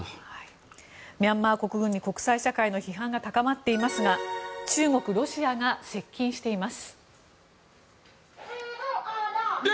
ミャンマー国軍に国際社会の批判が高まっていますが中国、ロシアが接近しています。